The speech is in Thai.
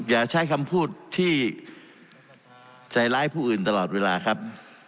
อย่าใช้คำพูดที่ใจร้ายผู้อื่นตลอดเวลาครับ